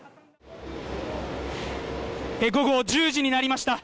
午後１０時になりました。